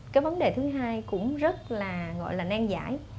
cái vấn đề thứ hai cũng rất là gọi là nan giải